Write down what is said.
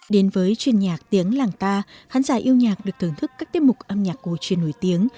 đến với truyền nhạc tiếng làng ca khán giả yêu nhạc được thưởng thức các tiết mục âm nhạc cổ truyền nổi tiếng